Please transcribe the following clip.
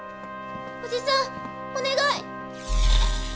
おじさんお願い！